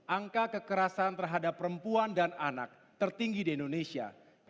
angka kekerasan terhadap perempuan dan anak tertinggi di indonesia